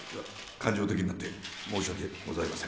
感情的になって申し訳ございません